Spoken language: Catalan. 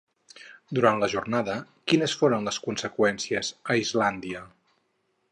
Durant la jornada, quines foren les conseqüències a Islàndia?